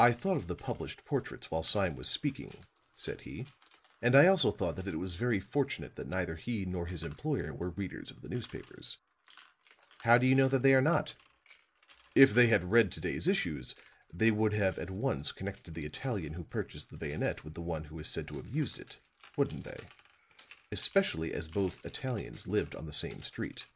"I thought of the published portraits while Sime was speaking," said he. "And I also thought that it was very fortunate that neither he nor his employer were readers of the newspapers." "How do you know that they are not?" "If they had read to day's issues they would have at once connected the Italian who purchased the bayonet with the one who is said to have used it wouldn't they; especially as both Italians lived on the same street?